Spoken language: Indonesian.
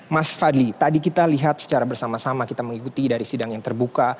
mas fadli tadi kita lihat secara bersama sama kita mengikuti dari sidang yang terbuka